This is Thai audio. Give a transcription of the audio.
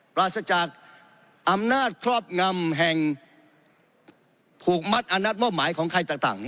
ปราศจากอำนาจครอบงำแห่งผูกมัดอานัดมอบหมายของใครต่าง